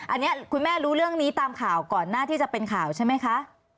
อันนี้คุณแม่รู้เรื่องนี้ตามข่าวก่อนหน้าที่จะเป็นข่าวใช่ไหมคะ